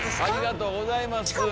ありがとうございます。